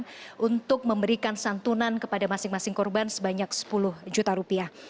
korban untuk memberikan santunan kepada masing masing korban sebanyak sepuluh juta rupiah